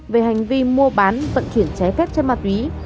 về hành vi mua bán vận chuyển ché phép cho ma túy